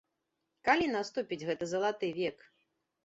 Калі наступіць гэты залаты век?